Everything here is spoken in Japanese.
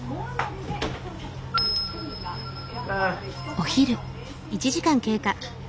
お昼。